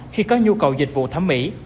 khi có nhu cầu dịch vụ thẩm mỹ